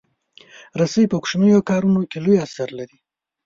رسۍ په کوچنیو کارونو کې لوی اثر لري.